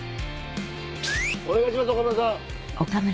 お願いします